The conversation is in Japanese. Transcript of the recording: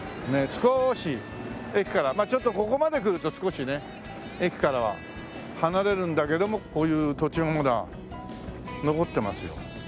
少し駅からまあちょっとここまで来ると少しね駅からは離れるんだけどもこういう土地はまだ残ってますよ。